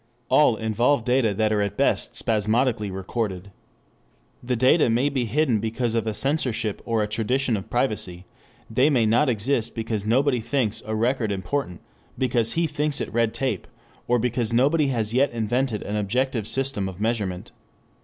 All involve data that are at best spasmodically recorded. The data may be hidden because of a censorship or a tradition of privacy, they may not exist because nobody thinks record important, because he thinks it red tape, or because nobody has yet invented an objective system of measurement.